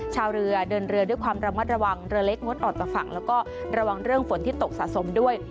ชาวเรือเดินเรือด้วยความระมัดระวังเรือเล็กงดออกจากฝั่งแล้วก็ระวังเรื่องฝนที่ตกสะสมด้วย